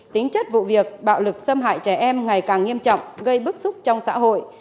tính chất vụ việc bạo lực xâm hại trẻ em ngày càng nghiêm trọng gây bức xúc trong xã hội